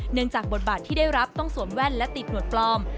จากบทบาทที่ได้รับต้องสวมแว่นและติดหนวดปลอม